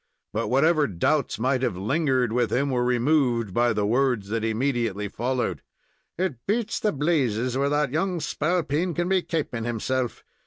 But whatever doubts might have lingered with him were removed by the words that immediately followed. "It beats the blazes where that young spalpeen can be kaping himself.